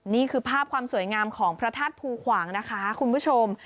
นี่คือภาพความสวยงามของพระธาตุภูขวางนะคะคุณผู้ชม